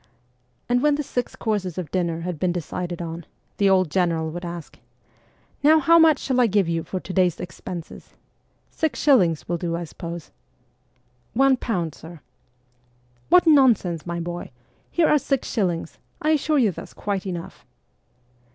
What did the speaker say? And when the six courses of dinner had been decided on, th& old general would ask, ' Now how much shall I give you for to day's expenses ? Six shillings will do, I suppose ?'' One pound, sir.' ' What nonsense, my boy ! Here are six shillings ; I assure you that's quite enough.'